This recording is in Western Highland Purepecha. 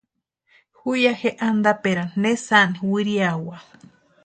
Ju ya antaperani ne sáni wiriawa.